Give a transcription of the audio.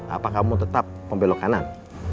apa kamu tetap membelok kanan